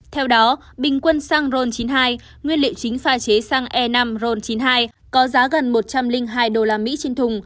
theo đó bình quân xăng ron chín mươi hai nguyên liệu chính pha chế xăng e năm ron chín mươi hai có giá gần một trăm linh hai usd trên thùng